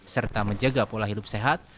serta menjaga pola hidup sehat